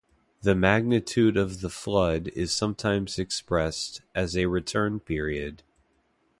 The magnitude of the flood is sometimes expressed as a return period.